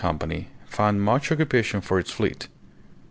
Company found much occupation for its fleet.